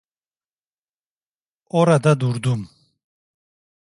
Orada durdum.